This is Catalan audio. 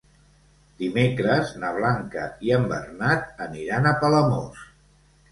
Dimecres na Blanca i en Bernat aniran a Palamós.